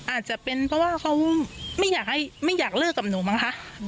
อาจจะเป็นเพราะว่าเขาไม่อยากเลิกกับหนูมั้งคะ